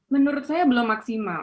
menurut saya belum maksimal